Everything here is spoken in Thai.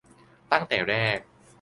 ตั้งแต่แรก